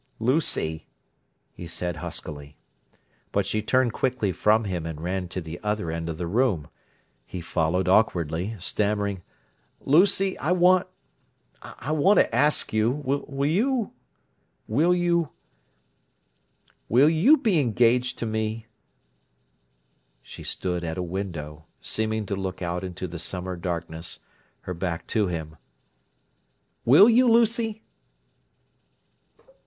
"Lucy!" he said huskily. But she turned quickly from him, and ran to the other end of the room. He followed awkwardly, stammering: "Lucy, I want—I want to ask you. Will you—will you—will you be engaged to me?" She stood at a window, seeming to look out into the summer darkness, her back to him. "Will you, Lucy?"